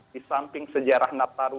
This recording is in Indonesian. di samping sejarah nataru